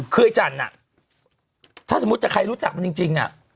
คือจันทร์น่ะถ้าสมมุติว่าใครรู้จักมันจริงน่ะ